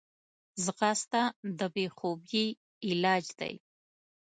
ځغاسته د بېخوبي علاج دی